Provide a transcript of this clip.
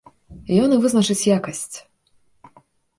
Ён і вызначыць якасць.